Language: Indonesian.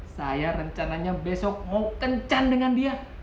saya rencananya besok mau kencan dengan dia